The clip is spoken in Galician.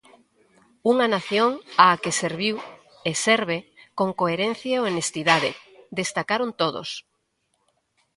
Unha nación á que serviu, e serve, con coherencia e honestidade, destacaron todos.